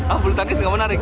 ah bulu tangkis gak menarik